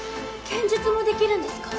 剣術もできるんですか？